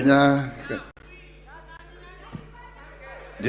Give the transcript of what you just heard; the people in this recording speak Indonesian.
banyak anak anak mudanya